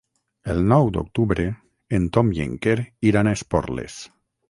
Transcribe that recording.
El nou d'octubre en Tom i en Quer iran a Esporles.